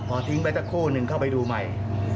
พอทิ้งไปสักคู่หนึ่งเข้าไปดูใหม่